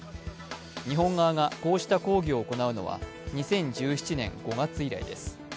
日本側がこうした抗議を行うのは２０１７年５月以来です。